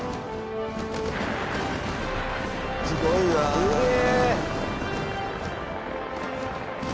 すごいわ。すげ。